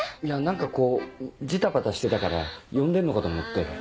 いや何かこうジタバタしてたから呼んでんのかと思って。